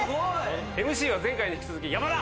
ＭＣは前回に引き続き山田！